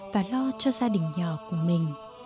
và lo cho gia đình nhỏ của mình